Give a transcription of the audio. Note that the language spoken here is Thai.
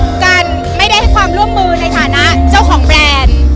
การไม่ได้ให้ความร่วมมือในฐานะเจ้าของแบรนด์